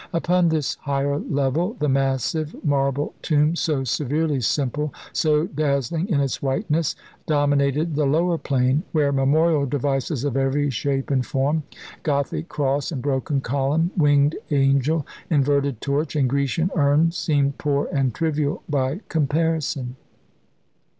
Upon this higher level the massive marble tomb so severely simple, so dazzling in its whiteness dominated the lower plane, where memorial devices of every shape and form, Gothic cross, and broken column, winged angel, inverted torch, and Grecian urn, seemed poor and trivial by comparison.